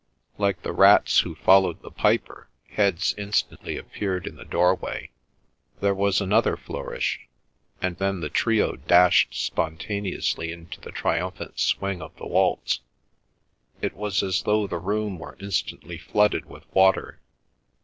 Like the rats who followed the piper, heads instantly appeared in the doorway. There was another flourish; and then the trio dashed spontaneously into the triumphant swing of the waltz. It was as though the room were instantly flooded with water.